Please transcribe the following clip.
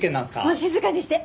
もう静かにして！